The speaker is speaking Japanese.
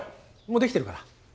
もうできてるから。